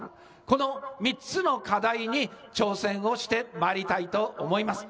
この３つの課題に挑戦をしてまいりたいと思います。